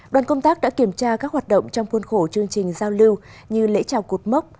đoàn công tác đã kiểm tra các hoạt động trong khuôn khổ chương trình giao lưu như lễ trào cột mốc